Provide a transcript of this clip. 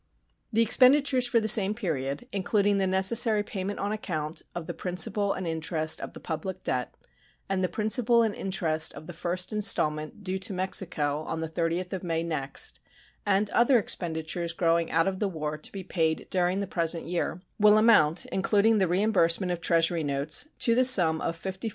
The expenditures for the same period, including the necessary payment on account of the principal and interest of the public debt, and the principal and interest of the first installment due to Mexico on the 30th of May next, and other expenditures growing out of the war to be paid during the present year, will amount, including the reimbursement of Treasury notes, to the sum of $54,195,275.